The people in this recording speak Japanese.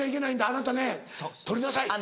「あなたね取りなさい」。